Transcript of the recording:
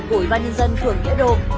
của bà nhân dân thường nghĩa đồ